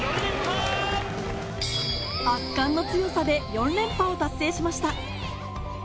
圧巻の強さで４連覇を達成しました。